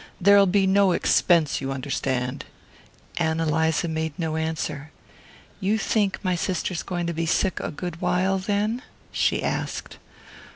There'll be no expense, you understand " Ann Eliza made no answer. "You think my sister's going to be sick a good while, then?" she asked.